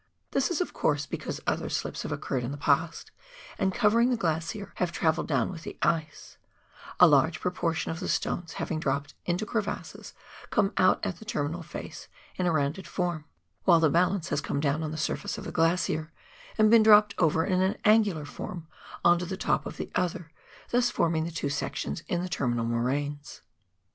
This is, of course, because other slips have occurred in the past, and covering the glacier have travelled down with the ice ; a large proportion of the stones having dropped into crevasses come out at the terminal face in a rounded form, while the balance has come down on the 168 PIONEER WOEK IN THE ALPS OF NEW ZEALAND, surface of the glacier and been dropped over in an angular form on to the top of the other, thus forming the two sections in the terminal moraines.